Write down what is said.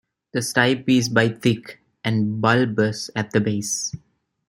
The stipe is by thick, and bulbous at the base.